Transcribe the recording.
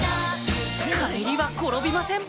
帰りは転びません